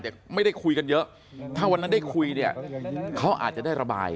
แต่ไม่ได้คุยกันเยอะถ้าวันนั้นได้คุยเนี่ยเขาอาจจะได้ระบาย